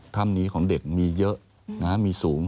คำนี้ของเด็กมีเยอะมีสูง